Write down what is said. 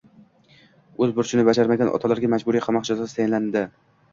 O‘z burchini bajarmagan otalarga mamuriy qamoq jazosi tayinlandi